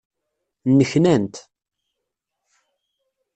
Nneknant.